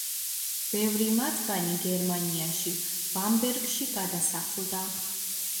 ბევრი მათგანი გერმანიაში, ბამბერგში გადასახლდა.